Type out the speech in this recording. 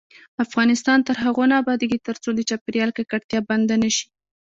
افغانستان تر هغو نه ابادیږي، ترڅو د چاپیریال ککړتیا بنده نشي.